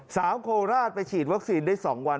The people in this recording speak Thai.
โคราชไปฉีดวัคซีนได้๒วัน